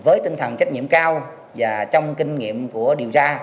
với tinh thần trách nhiệm cao và trong kinh nghiệm của điều tra